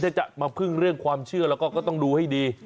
ถ้าจากมันภึ่งเรื่องความเชื่ออะไรเราก็ต้องดูให้ดี